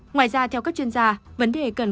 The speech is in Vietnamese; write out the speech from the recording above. ngoài ra theo các chuyên gia